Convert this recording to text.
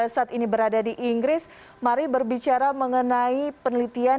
saat ini berada di inggris mari berbicara mengenai penelitian